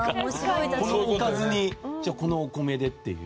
このおかずにこのお米でっていう。